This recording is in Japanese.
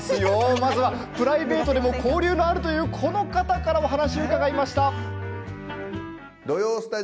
まずはプライベートでも交流があるこの方からお話を伺いました。